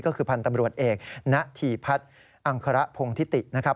ก็คือพันธ์ตำรวจเอกณฑีพัฒน์อังคระพงธิตินะครับ